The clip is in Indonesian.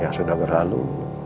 ya sudah berlalu